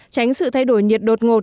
tránh sự thay đổi nhiệt đột ngột